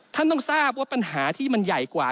ท่านต้องทราบว่าปัญหาที่มันใหญ่กว่า